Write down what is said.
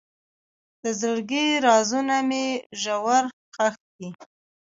د زړګي رازونه مې ژور ښخ دي.